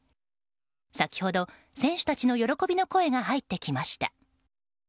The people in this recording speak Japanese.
先ほど、選手たちの喜びの声が入ってきました。